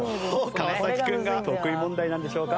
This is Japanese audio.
川君が得意問題なんでしょうか？